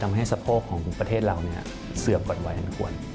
ทำให้สะโพกของประเทศเราเสื่อมก่อนวัยอันควร